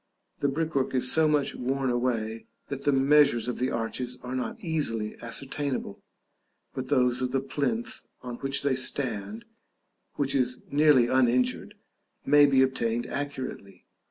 The brickwork is so much worn away, that the measures of the arches are not easily ascertainable, but those of the plinth on which they stand, which is nearly uninjured, may be obtained accurately.